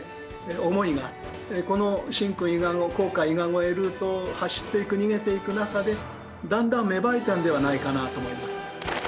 思いがこの神君伊賀の甲賀伊賀越えルートを走っていく逃げていく中でだんだん芽生えたんではないかなと思います。